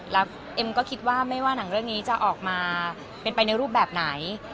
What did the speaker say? แล้วเอ็มก็คิดว่าไม่ว่าหนังเรื่องนี้จะออกมาเป็นไปในรูปแบบไหน